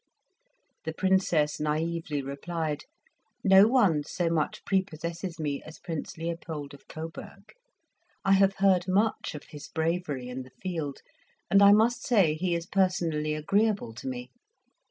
The Princess naively replied, "No one so much prepossesses me as Prince Leopold of Coburg. I have heard much of his bravery in the field, and I must say he is personally agreeable to me.